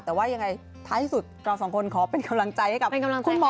แต่ว่ายังไงท้ายที่สุดเราสองคนขอเป็นกำลังใจให้กับคุณหมอ